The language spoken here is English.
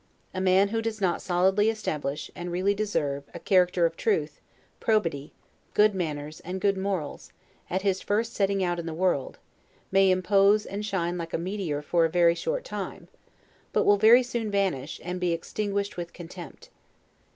A man who does not solidly establish, and really deserve, a character of truth, probity, good manners, and good morals, at his first setting out in the world, may impose, and shine like a meteor for a very short time, but will very soon vanish, and be extinguished with contempt.